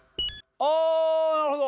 あぁなるほど。